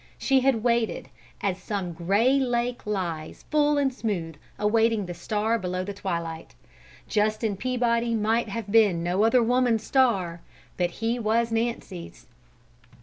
She had waited, "as some grey lake lies, full and smooth, awaiting the star below the twilight." Justin Peabody might have been no other woman's star, but he was Nancy's!